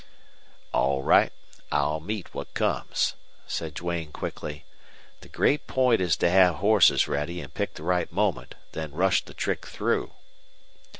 "All right. I'll meet what comes," said Duane, quickly. "The great point is to have horses ready and pick the right moment, then rush the trick through."